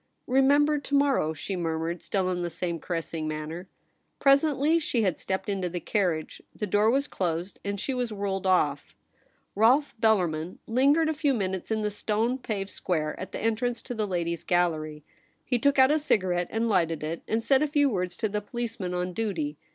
' Remember to morrow,' she murmured, still in the same caressing manner. Presently she had stepped into the carriage. The door was closed, and she was whirled oft. Rolfe Bellarmin lingered a few minutes in the stone paved square at the entrance to the Ladies' Gallery. He took out a cigarette and lighted it, and said a few words to the police man on duty.